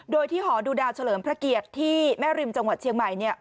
โดยที่หอดูดาวเฉลิมพระเกียรติที่แม่ริมจังหวัดเชียงใหม่